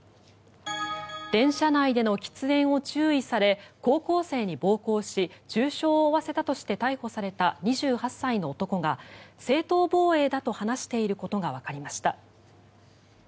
電車内での喫煙を注意され高校生に暴行し重傷を負わせたとして逮捕された２８歳の男が正当防衛だと話していることがわかりました。